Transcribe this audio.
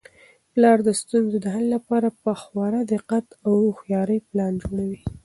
پلار د ستونزو د حل لپاره په خورا دقت او هوښیارۍ پلان جوړوي.